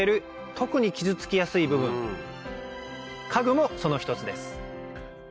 特に傷つきやすい部分家具もその一つです